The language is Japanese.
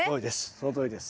そのとおりです。